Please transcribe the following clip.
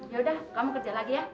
ya udah kamu kerja lagi ya